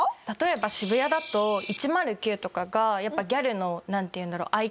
例えば渋谷だと１０９とかがやっぱギャルのなんて言うんだろう？